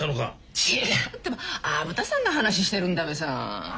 違うってば虻田さんの話してるんだべさ。